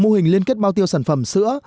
mô hình liên kết bao tiêu sản phẩm sữa